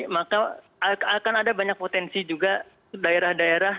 maka akan ada banyak potensi juga daerah daerah